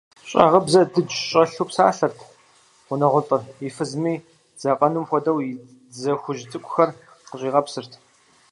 Щӏагъыбзэ дыдж щӏэлъу псалъэрт гъунэгъулӏыр, и фызми дзакъэнум хуэдэу и дзэ хужь цӏыкӏухэр къыщӏигъэпсырт.